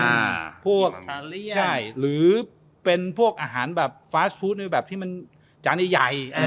อิมพรรณใช่หรือเป็นพวกอาหารแบบโฟสตรูทแบบที่มันก็จานใหญ่